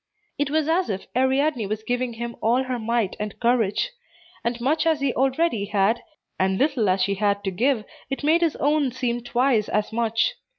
It was as if Ariadne were giving him all her might and courage; and much as he already had, and little as she had to give, it made his own seem twice as much.